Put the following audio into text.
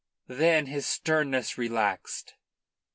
Then his sternness relaxed.